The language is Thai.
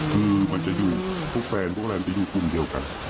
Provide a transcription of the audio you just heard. คือมันจะอยู่พวกแฟนพวกอะไรมันจะอยู่คุมเดียวกัน